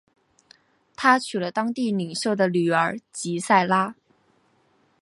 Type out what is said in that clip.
他娶了当地领袖的女儿吉塞拉。